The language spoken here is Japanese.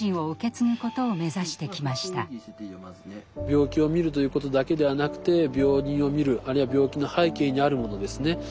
病気を診るということだけではなくて病人を診るあるいは病気の背景にあるものですね